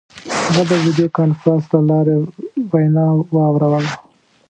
هغه د ویډیو کنفرانس له لارې وینا واوروله.